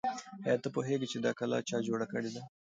آیا ته پوهېږې چې دا کلا چا جوړه کړې ده؟